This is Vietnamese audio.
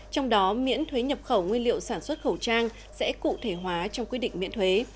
trong đó miễn thuế nhập khẩu nguyên liệu sản xuất khẩu trang sẽ cụ thể hóa trong quyết định miễn thuế